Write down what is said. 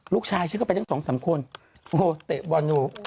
ลูกชายฉันก็ไปทั้งสองสามคนโอ้โหเตะบอลอยู่